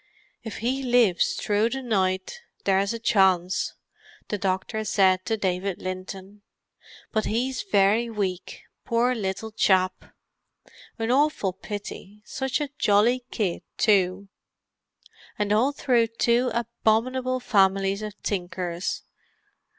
"If he lives through the night there's a chance," the doctor said to David Linton. "But he's very weak, poor little chap. An awful pity; such a jolly kid, too. And all through two abominable families of tinkers!